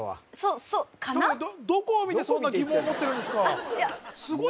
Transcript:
どこを見てそんな疑問を持ってるんですか？